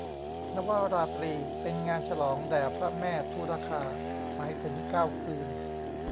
นวราตรี เป็นงานฉลองแด่พระแม่ทุรคา หมายถึงเก้าคืน